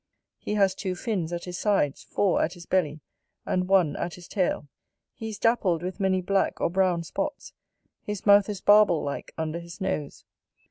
He has two fins at his sides, four at his belly, and one at his tail; he is dappled with many black or brown spots; his mouth is barbel like under his nose.